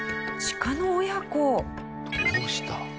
どうした？